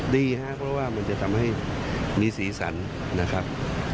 ดีครับเพราะว่ามันจะทำให้มีสีสันนะครับ